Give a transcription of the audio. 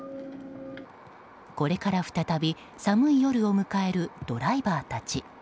これから再び寒い夜を迎えるドライバーたち。